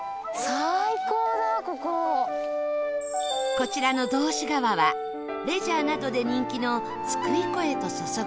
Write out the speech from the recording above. こちらの道志川はレジャーなどで人気の津久井湖へと注ぐ清流